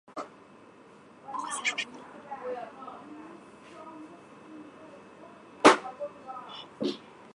多媒体框架是一种在电脑上处理媒体并经网络传播的软件框架。